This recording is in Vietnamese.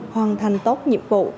hoàn thành tốt nhiệm vụ